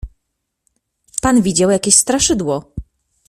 "Pan widział jakieś straszydło!"